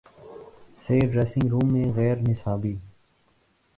سے dressing room میں غیر نصابی